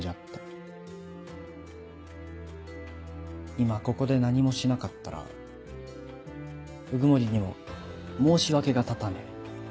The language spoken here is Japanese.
今ここで何もしなかったら鵜久森にも申し訳が立たねえ。